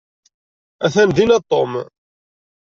Atan dina Tom.